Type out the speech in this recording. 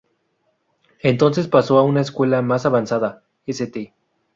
Entonces pasó a una escuela más avanzada, St.